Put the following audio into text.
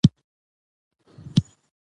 زه پوهنتون ته ورځم.